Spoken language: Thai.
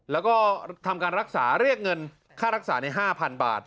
แล้วก็ทำการรักษาเรียกเงินค่ารักษาใน๕๐๐๐บาท